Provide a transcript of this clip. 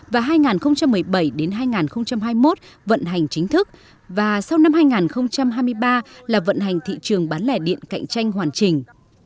và hai nghìn một mươi bảy hai nghìn hai mươi một vận hành chính thức và sau năm hai nghìn hai mươi ba là vận hành thị trường bán lẻ điện cạnh tranh hoàn chỉnh